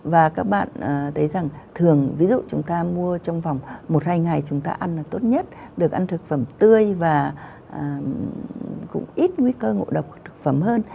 và các bạn thấy rằng thường ví dụ chúng ta mua trong vòng một hai ngày chúng ta ăn được tốt nhất được ăn thực phẩm tươi và cũng ít nguy cơ ngộ độc thực phẩm hơn